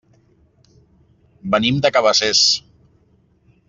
Venim de Cabacés.